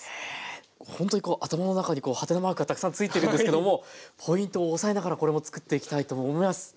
ほんとに頭の中にはてなマークがたくさんついてるんですけどもポイントを押さえながらこれもつくっていきたいと思います。